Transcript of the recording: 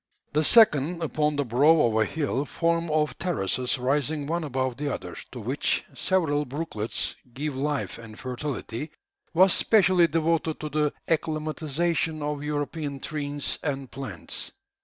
The second, upon the brow of a hill, formed of terraces rising one above the other, to which several brooklets give life and fertility, was specially devoted to the acclimatisation of European trees and plants.